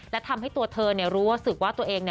และทำให้ตัวเธอรู้สึกว่าตัวเอง